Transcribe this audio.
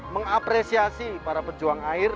mengapresiasi para pejuang air